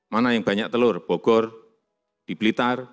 mana yang banyak telur bogor di blitar